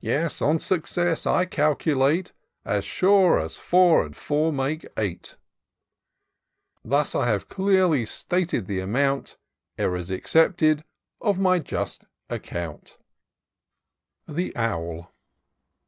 Yes, on success I calculate. As sure as four and four make eight. Thus I haye clearlj stated the amount, Error's excited, of my just account.' "The Owl.